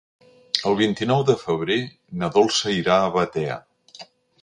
El vint-i-nou de febrer na Dolça irà a Batea.